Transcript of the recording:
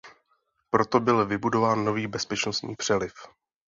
Proto byl vybudován nový bezpečnostní přeliv.